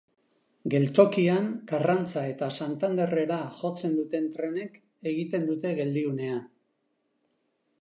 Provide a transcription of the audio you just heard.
Geltokian Karrantza eta Santanderrera jotzen duten trenek egiten dute geldiunea.